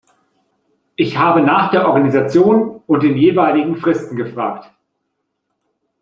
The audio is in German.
Ich habe nach der Organisation und den jeweiligen Fristen gefragt.